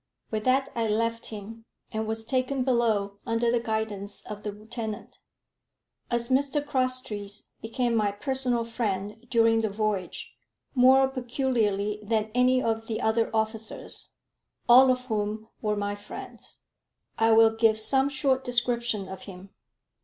With that I left him, and was taken below under the guidance of the lieutenant. As Mr Crosstrees became my personal friend during the voyage, more peculiarly than any of the other officers, all of whom were my friends, I will give some short description of him.